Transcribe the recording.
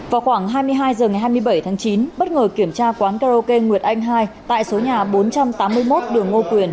vào khoảng hai mươi hai h ngày hai mươi bảy tháng chín bất ngờ kiểm tra quán karaoke nguyệt anh hai tại số nhà bốn trăm tám mươi một đường ngô quyền